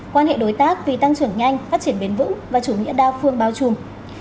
quan hệ đối tác vì tăng trưởng nhanh phát triển bền vững và chủ nghĩa đa phương bao trùm